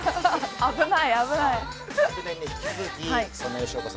危ない危ない。